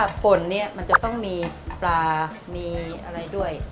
ฝนเนี่ยมันจะต้องมีปลามีอะไรด้วย